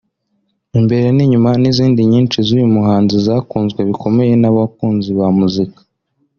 Imbere n’inyuma n’izindi nyinshi z’uyu muhanzi zakunzwe bikomeye n'abakunzi ba muzika